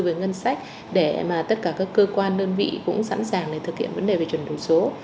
về ngân sách để mà tất cả các cơ quan đơn vị cũng sẵn sàng để thực hiện vấn đề về chuyển đổi số